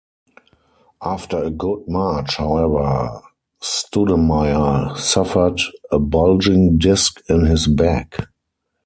After a good March, however, Stoudemire suffered a bulging disk in his back.